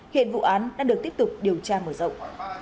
hiện vụ án đang được tiếp tục điều tra mở rộng